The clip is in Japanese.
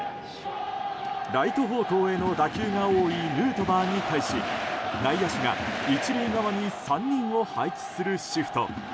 ライト方向への打球が多いヌートバーに対し内野手が１塁側に３人を配置するシフト。